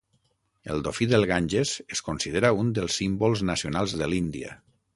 El dofí del Ganges es considera un dels símbols nacionals de l'Índia.